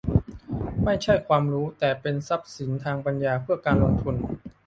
และไม่ใช่ความรู้ แต่เป็นทรัพย์สินทางปัญญา เพื่อการลงทุน